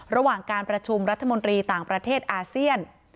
ระหว่างการประชุมรัฐมนตรีต่างประเทศอาเซียน